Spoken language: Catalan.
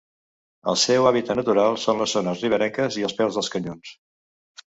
El seu hàbitat natural són les zones riberenques i els peus dels canyons.